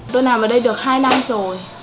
tôi làm ở đây được hai năm rồi